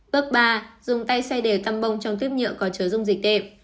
bước ba dùng tay xoay đều tăm bông trong tuyếp nhựa có chứa dung dịch đệm